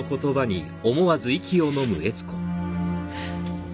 えっ。